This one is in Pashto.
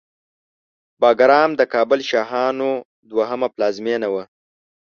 بګرام د کابل شاهانو دوهمه پلازمېنه وه